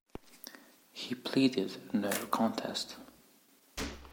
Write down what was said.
He pleaded no contest.